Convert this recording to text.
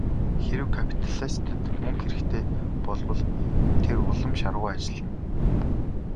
Хэрэв капиталистад мөнгө хэрэгтэй болбол тэр улам шаргуу ажиллана.